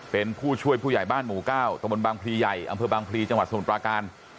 เป็นผู้ช่วยผู้ใหญ่บ้านหมู่๙ตะบนบางพลีใหญ่อำเภอบางพลีจังหวัดสมุทรปราการ